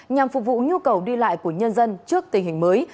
nhằm phục vụ nhu cầu đi lại của nhân dân trước tình hình mới